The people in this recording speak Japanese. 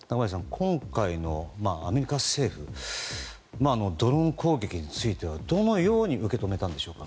今回のアメリカ政府ドローン攻撃についてはどう受け止めたんでしょうか。